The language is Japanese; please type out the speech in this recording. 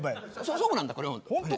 そうなんだこれ本当。